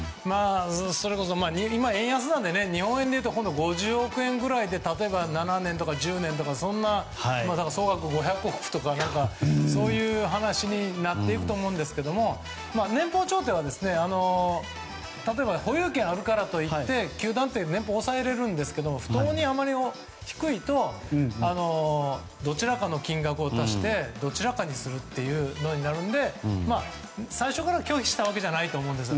それこそ今、円安なので日本円でいうと５０億円ぐらいで例えば７年とか１０年とか総額５００億とかそういう話になっていくと思うんですが年俸調停は例えば保有権があるからといって球団って年俸を抑えられるんですけど不当に低いとどちらかの金額を足してどちらかにするというのになるので最初から拒否したわけじゃないと思うんです。